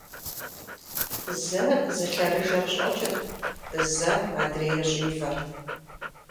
Зэ зы лъэрыжэр щӀэкӀырт, зэ адрейр щӀивэрт.